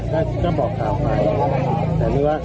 ก็บอกตามมาแต่ไม่ว่าไม่ว่าอ่ามันมันยังมีมาอีก